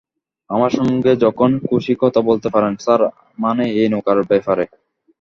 আমার সঙ্গে যখন খুশি কথা বলতে পারেন, স্যার, মানে এই নৌকার ব্যাপারে।